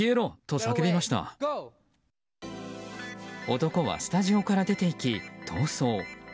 男はスタジオから出て行き逃走。